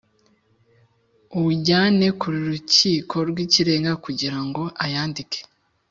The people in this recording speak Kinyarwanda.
Uwujyane k Urukiko rw Ikirenga kugira ngo ayandike